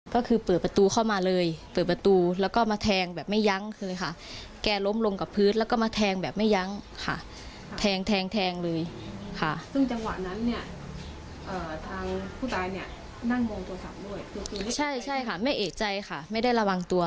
ก็คือเปิดประตูเข้ามาเลยเติบประตูแล้วก็มาแทงแบบไม่ยั้งเลยค่ะ